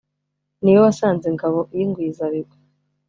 Ni we wasanze Ingabo y'Ingwizabigwi